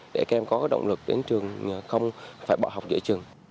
để các em có động lực đến trường không phải bỏ học giữa trường